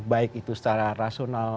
baik itu secara rasional